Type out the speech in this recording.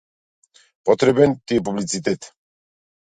Потребен ти е публицитет.